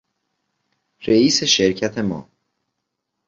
رئیس شرکت ما